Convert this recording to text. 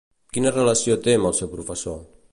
Quina relació té amb el seu professor?